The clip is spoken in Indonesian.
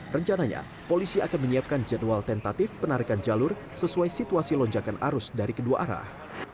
rencananya polisi akan menyiapkan jadwal tentatif penarikan jalur sesuai situasi lonjakan arus dari kedua arah